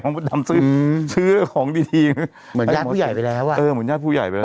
เหมือนยาตรผู้ใหญ่ไปแล้วว่ะ